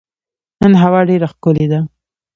نن هوا ډېره ښکلې ده.